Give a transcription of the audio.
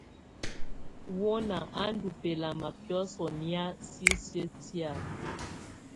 Wɔna á ndù bɛlama biɔ̀sɔ̀ nɛ̀á sisiǝ́ tɛ̀á.